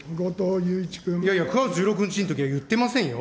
いやいや、９月１６日のときは言ってませんよ。